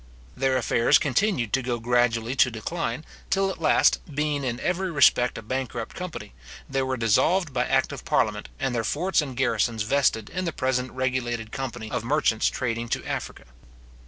Their affairs continued to go gradually to decline, till at last, being in every respect a bankrupt company, they were dissolved by act of parliament, and their forts and garrisons vested in the present regulated company of merchants trading to Africa.